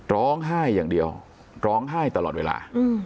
ร้องไห้อย่างเดียวร้องไห้ตลอดเวลา